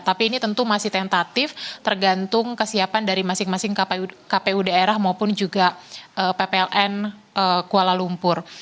tapi ini tentu masih tentatif tergantung kesiapan dari masing masing kpu daerah maupun juga ppln kuala lumpur